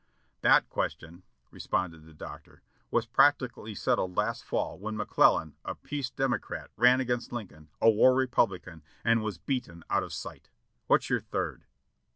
"That question," responded the Doctor, "was practically set tled last fall when McClellan, a Peace Democrat, ran against Lin coln, a War Republican, and was beaten out of sight. What's your third?"